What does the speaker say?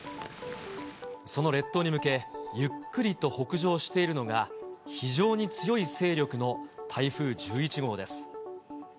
その列島に向け、ゆっくりと北上しているのが、非常に強い勢力の台風１１号です。